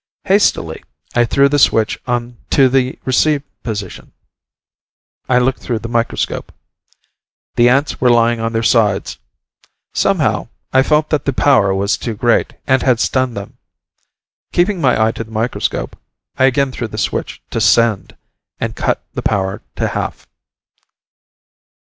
Hastily, I threw the switch to the "receive" position. I looked through the microscope. The ants were lying on their sides. Somehow, I felt that the power was too great, and had stunned them. Keeping my eye to the microscope, I again threw the switch to "send," and cut the power to half.